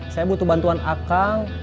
saya butuh bantuan a kang